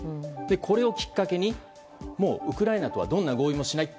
これをきっかけにもうウクライナとはどんな合意もしない。